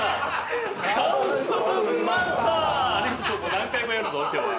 何回もやるぞ今日は。